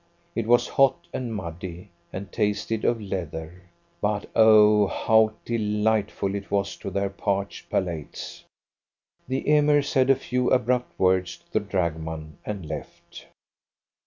It was hot and muddy, and tasted of leather, but oh how delightful it was to their parched palates! The Emir said a few abrupt words to the dragoman, and left.